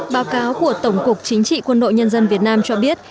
báo cáo của tổng cục chính trị quân đội nhân dân việt nam cho biết